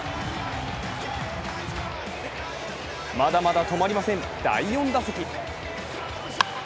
まだまだ止まりません、第４打席。